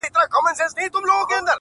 بل ملګری هم په لار کي ورپیدا سو٫